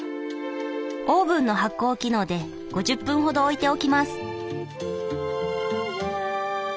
オーブンの発酵機能で５０分ほど置いておきます。